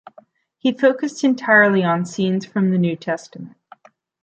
He focused entirely on scenes from the New Testament.